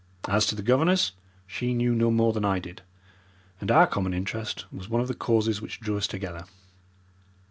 As to the governess, she knew no more than I did, and our common interest was one of the causes which drew us together.